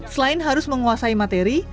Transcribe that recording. selain harus menguasai materi